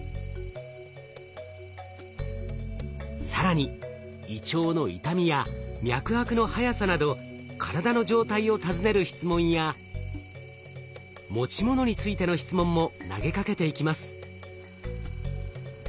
更に胃腸の痛みや脈拍の速さなど体の状態を尋ねる質問や持ち物についての質問も投げかけていきます。